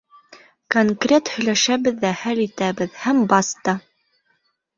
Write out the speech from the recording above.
Конкрет һөйләшәбеҙ ҙә хәл итәбеҙ һәм баста!